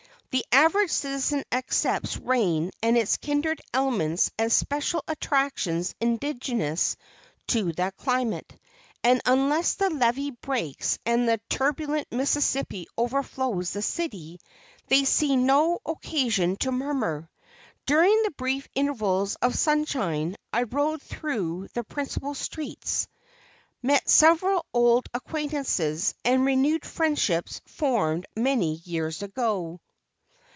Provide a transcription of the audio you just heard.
The average citizen accepts rain and its kindred elements as special attractions indigenous to that climate; and unless the levee breaks and the turbulent Mississippi overflows the city, they see no occasion to murmur. During the brief intervals of sunshine I rode through the principal streets, met several old acquaintances, and renewed friendships formed many years ago.